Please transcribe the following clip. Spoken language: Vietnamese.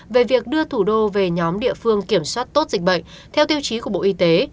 về việc đưa thủ đô về nhóm địa phương kiểm soát tốt dịch bệnh theo tiêu chí của bộ y tế